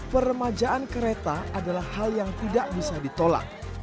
peremajaan kereta adalah hal yang tidak bisa ditolak